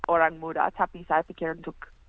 orang muda tapi saya pikir untuk